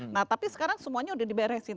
nah tapi sekarang semuanya udah diberesin